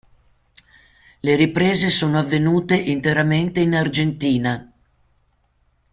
Le riprese sono avvenute interamente in Argentina.